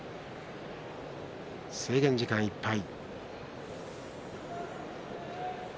制限時間いっぱい。